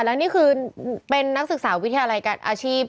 แล้วนี่คือเป็นนักศึกษาวิทยาลัยการอาชีพ